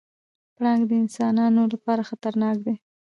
پړانګ د انسانانو لپاره خطرناک دی.